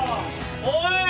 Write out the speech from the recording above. おい。